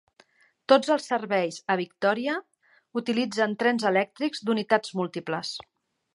Tots els serveis a Victoria utilitzen trens elèctrics d'unitats múltiples.